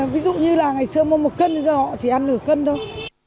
ví dụ như là ngày xưa mua một cân bây giờ họ chỉ ăn nửa cân thôi